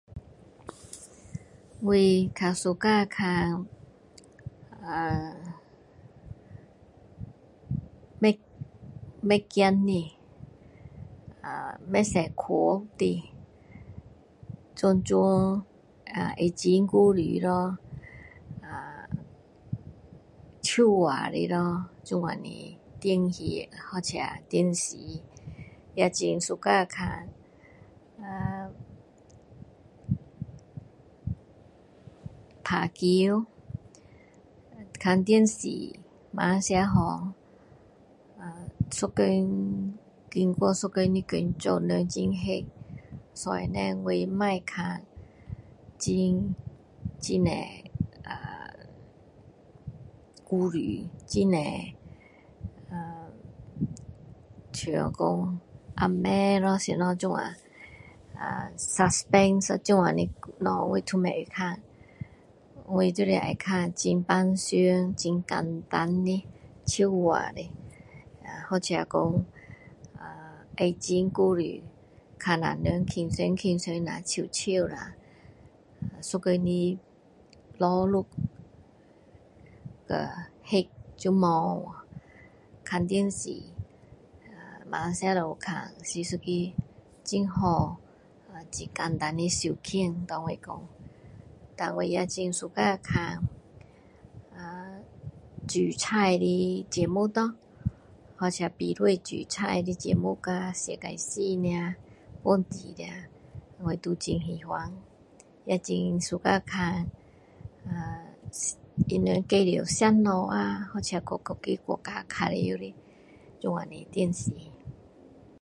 我比较喜欢看呃不不会怕的不不会恐怖的全全爱情故事的呃笑话的咯这样的电影那个电视也很喜欢看打球看电视晚饭吃好一天经过一天的工作很累坐在那边我不要看很很多故事很多呃像说啊美咯什么这样啊suspend 这样的东西我不会看我就是喜欢看很平常的很简单的笑话的或者说爱情故事看下人轻松轻松下人笑笑啦一天的劳碌和累就没有了看电视晚饭吃好看电视是一个很简单的消遣给我讲然后我也喜欢看煮菜的节目或者比较比赛煮菜的节目啦或者是世界性的国际的我都很喜欢我也喜欢看他们介绍吃东西或者去看玩耍的这样的电视